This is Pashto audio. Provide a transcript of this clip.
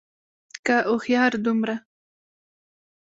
که هوښيار دومره